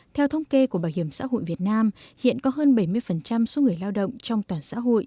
theo thông kê của bảo hiểm xã hội việt nam hiện có hơn bảy mươi số người lao động trong toàn xã hội